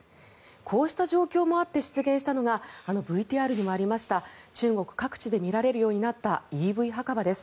こうした状況もあって出現したのがあのＶＴＲにもありました中国各地で見られるようになったＥＶ墓場です。